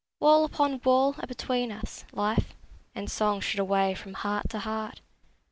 Wall upon wall are between us: life And song should away from heart to heart!